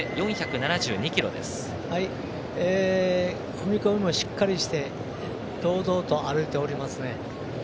踏み込みもしっかりして堂々と歩いておりますね。